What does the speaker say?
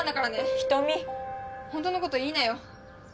瞳本当のこと言いなよ